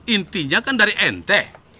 intinya kan dari ente